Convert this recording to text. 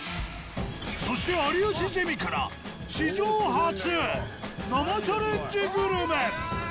そして有吉ゼミから、史上初、生チャレンジグルメ。